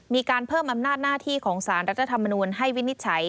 มีการเพิ่มอำนาจหน้าที่ของสารรัฐธรรมนูลให้วินิจฉัย